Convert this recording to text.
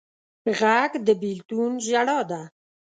غږ د بېلتون ژړا ده